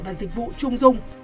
và dịch vụ chung dung